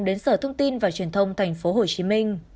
đến sở thông tin và truyền thông tp hcm